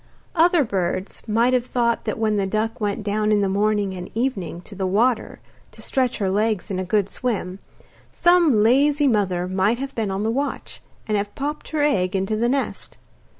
Other birds might have thought that when the duck went down in the morning and evening to the water to stretch her legs in a good swim, some lazy mother might have been on the watch, and have popped her egg into the nest.